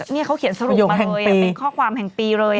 นี่เขาเขียนสรุปมาเลยเป็นข้อความแห่งปีเลย